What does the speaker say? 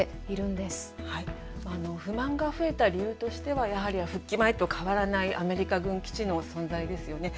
不満が増えた理由としてはやはり復帰前と変わらないアメリカ軍基地の存在ですよね。